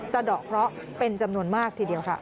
สะดอกเคราะห์เป็นจำนวนมากทีเดียวค่ะ